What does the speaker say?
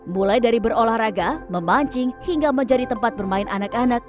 mulai dari berolahraga memancing hingga menjadi tempat bermain anak anak